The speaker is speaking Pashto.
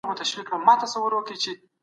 د کار پر مهال ماسک کاروه.